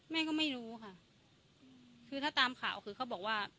แม่ก็ไม่รู้ค่ะคือถ้าตามข่าวคือเขาบอกว่า